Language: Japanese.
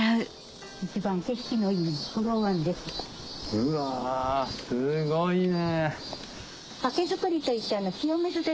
うわすごいね。